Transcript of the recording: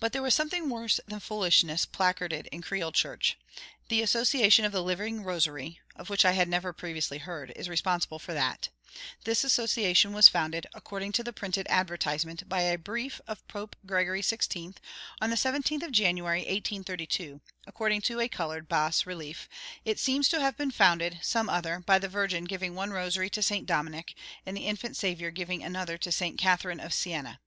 But there was something worse than foolishness placarded in Creil Church. The Association of the Living Rosary (of which I had never previously heard) is responsible for that. This Association was founded, according to the printed advertisement, by a brief of Pope Gregory Sixteenth, on the 17th of January 1832: according to a coloured bas relief, it seems to have been founded, sometime other, by the Virgin giving one rosary to Saint Dominic, and the Infant Saviour giving another to Saint Catharine of Siena.